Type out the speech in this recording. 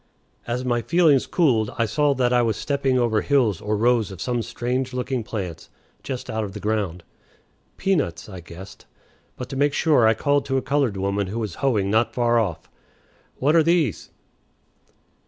As my feelings cooled, I saw that I was stepping over hills or rows of some strange looking plants just out of the ground. Peanuts, I guessed; but to make sure I called to a colored woman who was hoeing not far off. "What are these?"